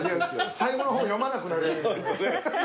・最後の方読まなくなるやつ。